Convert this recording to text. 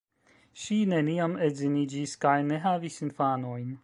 Ŝi neniam edziniĝis kaj ne havis infanojn.